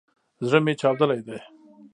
زړه مي چاودلی دی